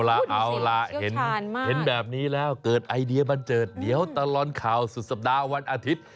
เอาล่ะเอาล่ะเห็นแบบนี้แล้วเกิดไอเดียบันเจิดเดี๋ยวตลอดข่าวสุดสัปดาห์วันอาทิตย์